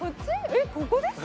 えっここですか？